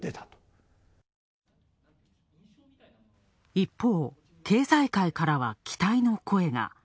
一方、経済界からは期待の声が。